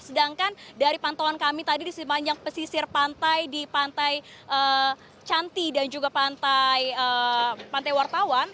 sedangkan dari pantauan kami tadi di sepanjang pesisir pantai di pantai cantik dan juga pantai wartawan